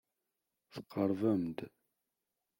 Tqerrbem-d.